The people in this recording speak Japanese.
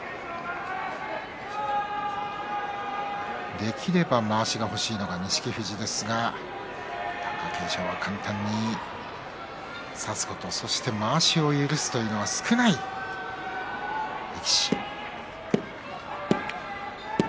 できればまわしが欲しい錦富士貴景勝は簡単に差すことそして、まわしを許すことは少ない力士です。